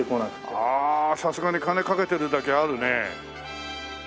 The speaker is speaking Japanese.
ああさすがに金かけてるだけあるね。